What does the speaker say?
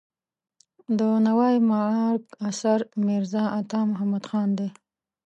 د نوای معارک اثر میرزا عطا محمد خان دی.